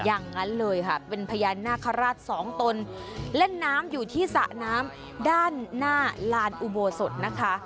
อย่างนั้นเลยค่ะเป็นพญานาคาราชสองตนเล่นน้ำอยู่ที่สระน้ำด้านหน้าลานอุโบสถนะคะ